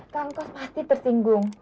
kak ngkos pasti tersinggung